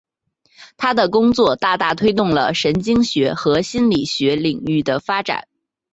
他的工作大大推动了神经学和心理学领域的发展。